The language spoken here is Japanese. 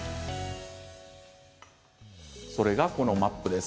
それがこのマップです。